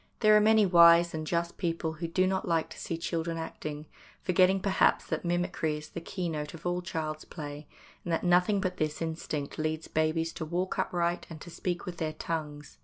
There are many wise and just people who do not like to see children acting, forgetting perhaps that mimicry is the keynote of all child's play, and that nothing but this instinct leads babies to walk upright and to speak with their tongues.